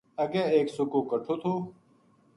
اگے ایک سُکو کٹھو تھو